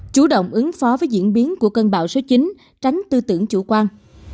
chủ động ứng phó với diễn biến của cơn bão số chín tránh tư tưởng chủ quan